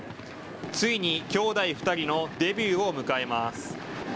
ついに兄弟２人のデビューを迎えます。